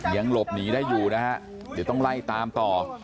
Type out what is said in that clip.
ยังหลบหนีได้อยู่นะฮะเดี๋ยวต้องไล่ตามต่อ